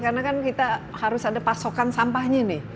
karena kan kita harus ada pasokan sampahnya